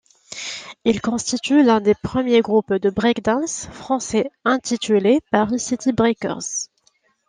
Il constitue l'un des premiers groupes de Break dance français intitulé Paris City Breakers.